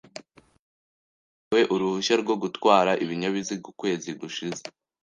Nongerewe uruhushya rwo gutwara ibinyabiziga ukwezi gushize.